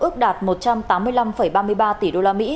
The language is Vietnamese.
ước đạt một trăm tám mươi năm ba mươi ba tỷ usd